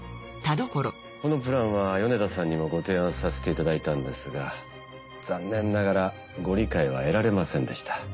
このプランは米田さんにもご提案させていただいたんですが残念ながらご理解は得られませんでした。